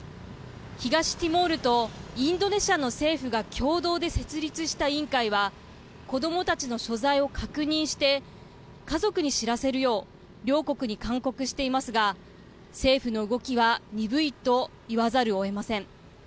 東ティモールとインドネシアの政府が共同で設立した委員会は子どもたちの所在を確認して家族に知らせるよう両国に勧告していますが政府の動きは鈍いと言わざるをえません。